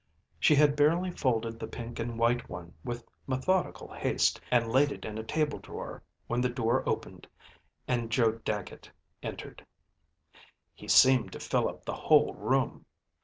She had barely folded the pink and white one with methodical haste and laid it in a table drawer when the door opened and Joe Dagget entered. He seemed to fill up the whole room.